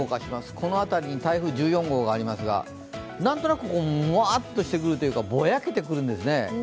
この辺りに台風１４号がありますがなんとなくモワッとしてくるというか、ぼやけてくるんですね。